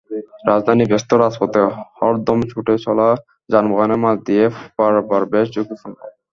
রাজধানীর ব্যস্ত রাজপথে হরদম ছুটে চলা যানবাহনের মাঝ দিয়ে পারাপার বেশ ঝুঁকিপূর্ণ।